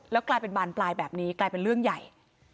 กลายเป็นบานปลายแบบนี้กลายเป็นเรื่องใหญ่